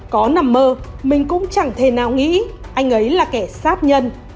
có nằm mơ mình cũng chẳng thể nào nghĩ anh ấy là kẻ sát nhân